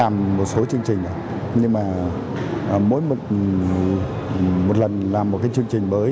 một số chương trình nhưng mà mỗi một lần làm một chương trình mới